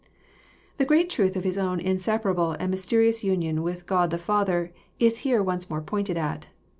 — The great truth of His own inseparable and mysterious union with God the Father, is here once more pointed at.